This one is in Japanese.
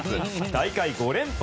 大会５連覇。